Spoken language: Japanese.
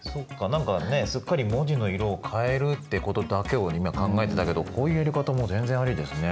何かねすっかり文字の色を変えるってことだけを今考えてたけどこういうやり方も全然ありですね。